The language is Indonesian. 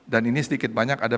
dan ini sedikit banyak ada